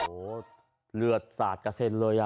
โหเลือดสาดกระเสนเลยอ่ะ